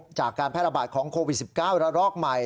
จากการแพร่ระบาดของโควิด๑๙ระรอกใหม่